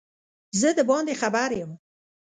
زه دباندي خبر یم